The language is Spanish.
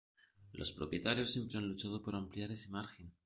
los propietarios siempre han luchado por ampliar ese margen